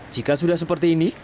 jika sudah seperti ini